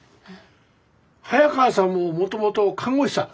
早川さんももともと看護師さん。